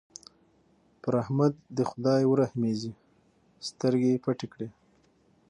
پر احمد دې خدای ورحمېږي؛ سترګې يې پټې کړې.